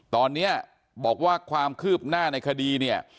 ตอนนี้บอกว่าความคืบหน้าในคดีเนี่ย